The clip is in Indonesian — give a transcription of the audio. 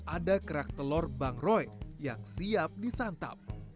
ada kerak telur bang roy yang siap disantap